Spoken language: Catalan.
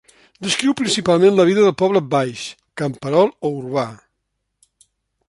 Descriu principalment la vida del poble baix, camperol o urbà.